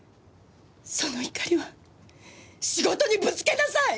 その怒りは仕事にぶつけなさい！